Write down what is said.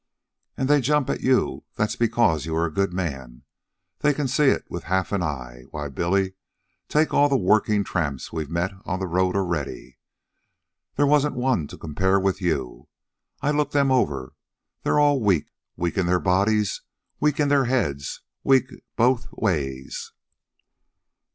"And they jump at you. That's because you are a good man. They can see it with half an eye. Why, Billy, take all the working tramps we've met on the road already. There wasn't one to compare with you. I looked them over. They're all weak weak in their bodies, weak in their heads, weak both ways."